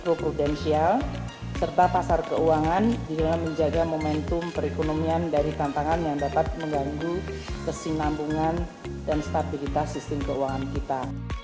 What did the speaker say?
kssk akan menjaga keuangan secara finansial serta pasar keuangan dengan menjaga momentum perekonomian dari tantangan yang dapat mengganggu kesinambungan dan stabilitas sistem keuangan kita